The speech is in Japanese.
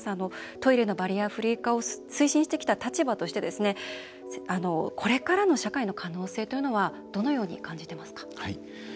トイレのバリアフリー化を推進してきた立場としてこれからの社会の可能性というのはどのように感じてますか？